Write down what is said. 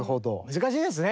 難しいですよね。